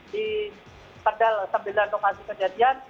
di pedal sembilan lokasi kejadian